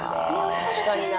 確かにな。